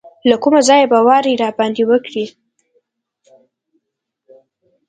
له کومه ځایه به واری راباندې وکړي.